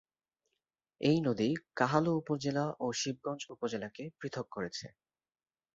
এই নদী কাহালু উপজেলা ও শিবগঞ্জ উপজেলাকে পৃথক করেছে।